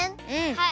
はい。